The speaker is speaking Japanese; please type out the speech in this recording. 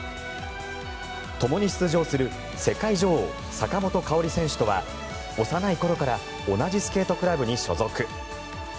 ともに出場する世界女王坂本花織選手とは幼い頃から同じスケートクラブに所属。